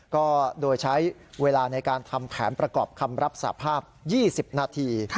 ก็โดยใช้เวลาในการทำแผนประกอบคำรับสาภาพ๒๐นาที